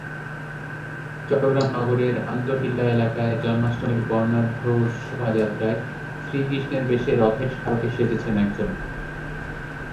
চট্টগ্রাম নগরের আন্দরকিল্লা এলাকায় জন্মাষ্টমীর বর্ণাঢ্য শোভাযাত্রায় শ্রীকৃষ্ণের বেশে রথের সারথি সেজেছেন একজন।